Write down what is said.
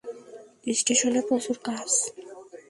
স্টেশনে প্রচুর কাজ।